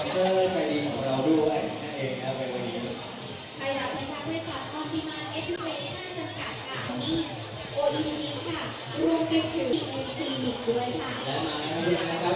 ขอบคุณครับ